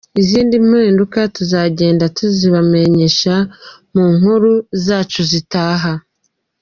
Izindi mpinduka tuzagenda tuzibamenyesha mu nkuru zacu zitaha.